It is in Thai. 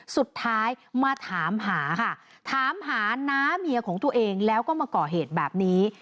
สุดท้ายมาถามหาค่ะถามหาน้าเมียของตัวเองแล้วก็มาก่อเหตุแบบนี้